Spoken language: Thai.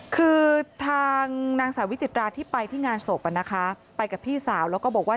คือทางนางสาววิจิตราที่ไปที่งานศพนะคะไปกับพี่สาวแล้วก็บอกว่า